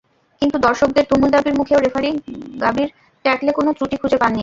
কিন্তু দর্শকদের তুমুল দাবির মুখেও রেফারি গাবির ট্যাকলে কোনো ত্রুটি খুঁজে পাননি।